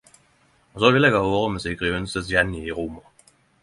Og så ville eg ha vore med Sigrid Undsets Jenny i Roma.